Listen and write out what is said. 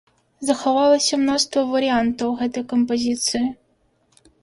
Захавалася мноства варыянтаў гэтай кампазіцыі.